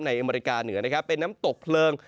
อเมริกาเหนือนะครับเป็นน้ำตกเพลิง